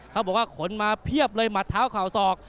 เขาบอกว่าขนมาเพียบเลยหมัดเท้าเข่าศอก